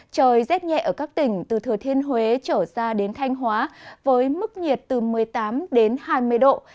trời rét nhẹ ở các tỉnh từ thừa thiên huế trở ra đến thanh hóa với mức nhiệt từ một mươi tám đến hai mươi độ